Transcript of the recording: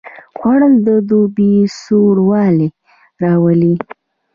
خوړل د دوبي سوړ والی راولي